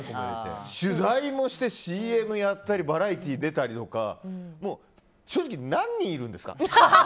取材もして、ＣＭやったりバラエティー出たりとか正直、何人いるんですか？